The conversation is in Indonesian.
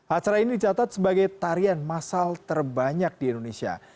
acara ini dicatat sebagai tarian masal terbanyak di indonesia